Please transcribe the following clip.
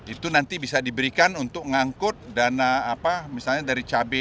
itu nanti bisa diberikan untuk mengangkut dana apa misalnya dari cabai